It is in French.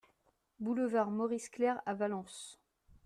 Boulevard Maurice Clerc à Valence